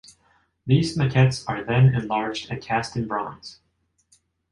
These maquettes are then enlarged and cast in bronze.